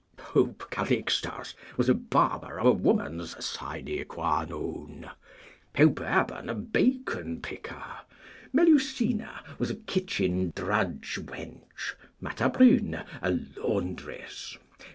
Pope Calixtus was a barber of a woman's sine qua non. Pope Urban, a bacon picker. Melusina was a kitchen drudge wench. Matabrune, a laundress.